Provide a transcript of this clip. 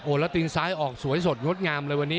แล้วตีนซ้ายออกสวยสดงดงามเลยวันนี้